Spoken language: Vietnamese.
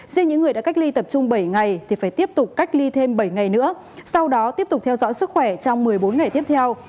riêng những người đã cách ly tập trung bảy ngày thì phải tiếp tục cách ly thêm bảy ngày nữa sau đó tiếp tục theo dõi sức khỏe trong một mươi bốn ngày tiếp theo